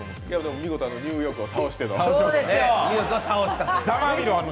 見事、ニューヨークを倒しての。